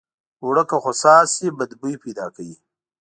اوړه که خوسا شي بد بوي پیدا کوي